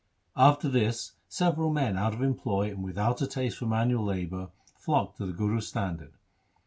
After this several men out of employ and without a taste for manual labour flocked to the Guru's standard.